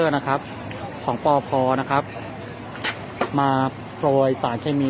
นะครับของนะครับมาปล่อยสารเคมีก